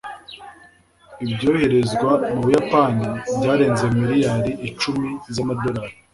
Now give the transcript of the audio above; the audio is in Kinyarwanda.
ibyoherezwa mu buyapani byarenze miliyari icumi z'amadolari